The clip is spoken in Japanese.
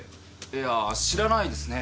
いやぁ知らないですね。